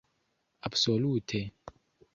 absolute